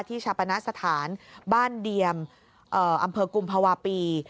ชาปณสถานบ้านเดียมอำเภอกุมภาวะปี